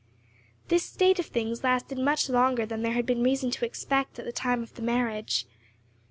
This state of things lasted much longer than there had been reason to expect at the time of the marriage.